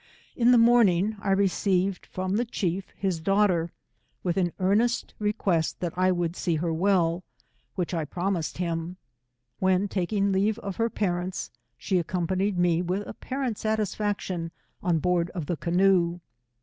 In the morning I received from the chief his daughter, with an earnest request that I would use her well, which I promised him; when taking leave of her parents, she accompanied me with apparent satisfaction on board of the canoe.